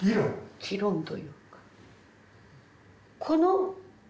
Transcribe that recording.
議論というか。